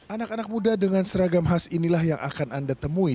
anak anak muda dengan seragam khas inilah yang akan anda temui